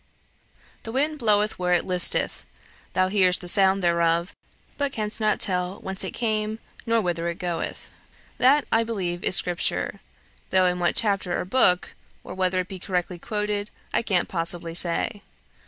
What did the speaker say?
"'The wind bloweth where it listeth. Thou hearest the sound thereof, but canst not tell whence it cometh, nor whither it goeth.' That, I believe, is Scripture, though in what chapter or book, or whether it be correctly quoted, I can't possibly say.